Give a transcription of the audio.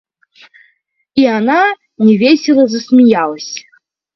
И она невесело засмеялась.